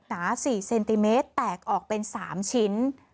หนา๔เซนติเมตรแตกออกเป็น๓ชิ้น